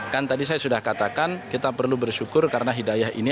kan tadi saya sudah katakan kita perlu bersyukur karena hidayah ini